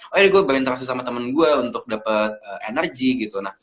oh yaudah gue berinteraksi sama temen gue untuk dapat energi gitu